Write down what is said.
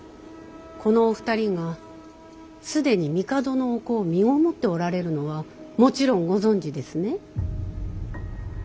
このお二人が既に帝のお子をみごもっておられるのはもちろんご存じですね。